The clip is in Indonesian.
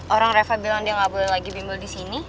orang reva bilang dia gak boleh lagi bimbel disini